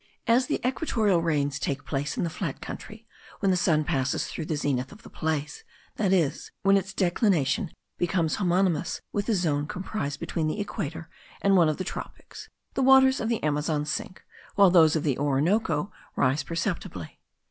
As the equatorial rains take place in the flat country when the sun passes through the zenith of the place, that is, when its declination becomes homonymous with the zone comprised between the equator and one of the tropics, the waters of the Amazon sink, while those of the Orinoco rise perceptibly.